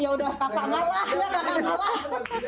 ya ampun kakak malah ya kakak malah